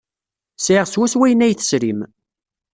Sɛiɣ swawa ayen ay tesrim.